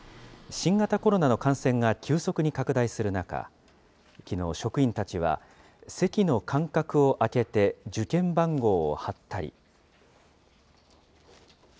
新型コロナの感染が急速に拡大する中、きのう、職員たちは席の間隔を空けて受験番号を貼ったり。